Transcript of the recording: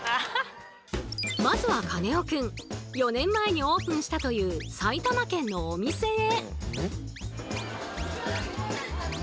まずはカネオくん４年前にオープンしたという埼玉県のお店へ！